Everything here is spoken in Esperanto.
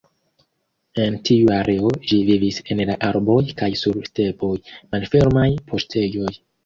En tiu areo, ĝi vivis en la arboj kaj sur stepoj, malfermaj paŝtejoj.